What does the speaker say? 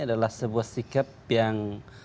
adalah sebuah sikap yang